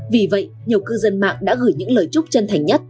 vì vậy nhiều cư dân mạng đã gửi những lời chúc chân thành nhất